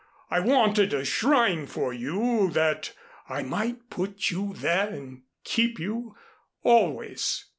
I wanted a shrine for you, that I might put you there and keep you always.